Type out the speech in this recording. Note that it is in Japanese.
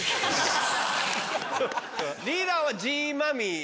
リーダーはジーマミー？